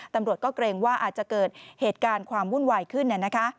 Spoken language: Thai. ตำรวจก็เกรงว่าอาจจะเกิดเหตุการณ์ความวุ่นวายขึ้น